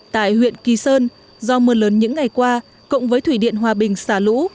tại huyện kỳ sơn do mưa lớn những ngày qua cộng với thủy điện hòa bình xả lũ